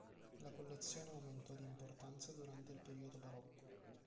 La collezione aumentò di importanza durante il periodo barocco.